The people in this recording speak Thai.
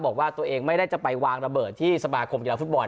บอกว่าตัวเองไม่ได้จะไปวางระเบิดที่สมาคมกีฬาฟุตบอล